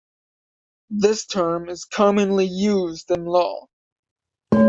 This term is commonly used in law.